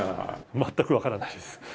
全く分からないです。